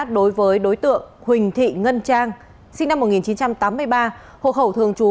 đối với đối tượng huỳnh thị ngân trang sinh năm một nghìn chín trăm tám mươi ba hộ khẩu thường trú